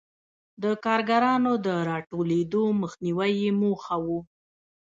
د کارګرانو د راټولېدو مخنیوی یې موخه و.